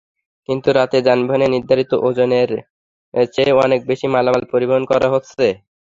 কিন্তু রাতে যানবাহনে নির্ধারিত ওজনের চেয়ে অনেক বেশি মালামাল পরিবহন করা হচ্ছে।